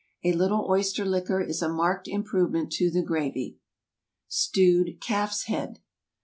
A little oyster liquor is a marked improvement to the gravy. STEWED CALF'S HEAD.